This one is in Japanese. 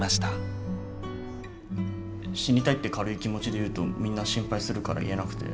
死にたいって軽い気持ちで言うとみんな心配するから言えなくて。